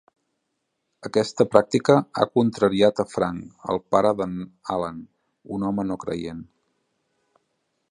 Aquesta pràctica ha contrariat a Frank, el pare d'en Alan, un home no creient.